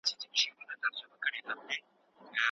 د زړه غوښتنو ته پام نه کېږي.